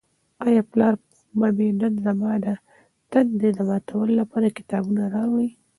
آیا پلار به مې نن زما د تندې د ماتولو لپاره کتابونه راوړي؟